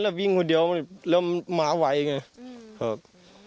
เราต้องการจะรู้ว่าเป็นใครนะครับ